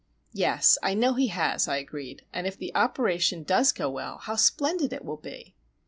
"Yes; I know he has," I agreed. "And if the operation does go well,—how splendid it will be!"